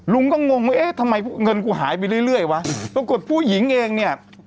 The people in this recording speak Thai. ลุงก็งงว่าเอ๊ะทำไมเงินกูหายไปเรื่อยวะปรากฏผู้หญิงเองเนี่ย